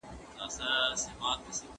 له ماتې مه وېرېږئ.